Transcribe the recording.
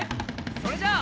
それじゃあ。